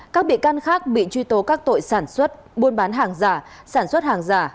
các bị can khác bị truy tố các tội sản xuất buôn bán hàng giả sản xuất hàng giả